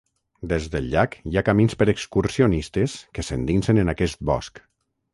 Des del llac hi ha camins per excursionistes que s'endinsen en aquest bosc.